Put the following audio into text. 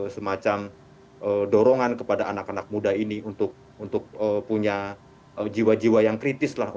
semacam dorongan kepada anak anak muda ini untuk punya jiwa jiwa yang kritis lah